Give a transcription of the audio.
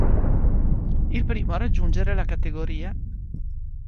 Il primo a raggiungere la cat.